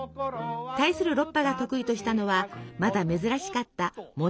対するロッパが得意としたのはまだ珍しかったモノマネなどの話芸。